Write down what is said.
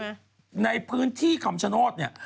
ในพื้นที่คำชโนธเนี่ย